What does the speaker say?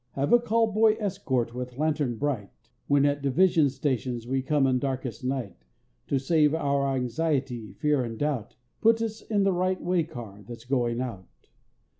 Have a call boy escort with lantern bright, When at division stations we come in darkest night; To save our anxiety, fear and doubt, Put us on the right way car that's going out.